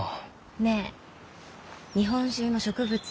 ねえ日本中の植物